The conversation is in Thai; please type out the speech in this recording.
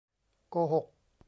โกหก